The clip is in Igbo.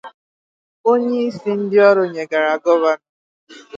onyeisi ndị ọrụ nyegara Gọvanọ